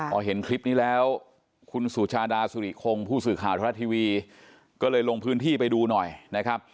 พอเห็นคลิปนี้แล้วคุณสุชาดาสุริคงผู้สื่อข่าวธนรัฐทีวีก็เลยลงพื้นที่ไปดูหน่อยนะครับ